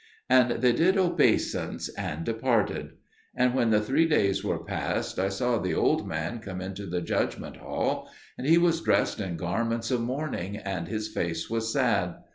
And they did obeisance and departed. And when the three days were past, I saw the old man come into the judgment hall; and he was dressed in garments of mourning, and his face was sad.